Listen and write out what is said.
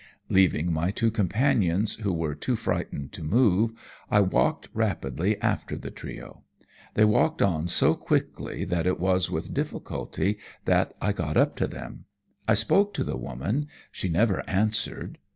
Leaving my two companions, who were too frightened to move, I walked rapidly after the trio. They walked on so quickly that it was with difficulty that I got up to them. I spoke to the woman, she never answered.